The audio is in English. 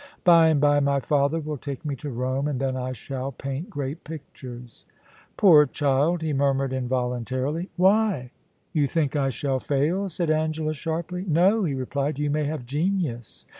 By and by, my father will take me to Rome, and then I shall paint great pictures.' * Poor child !' he murmured involuntarily. * W hy ? You think I shall fail,' said Angela, sharply. * No,' he replied. * You may have genius.'